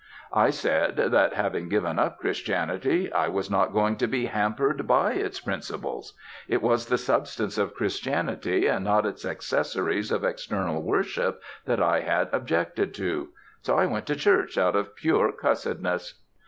"I said that, having given up Christianity, I was not going to be hampered by its principles. It was the substance of Christianity, and not its accessories of external worship, that I had objected to ... so I went to church out of pure cussedness."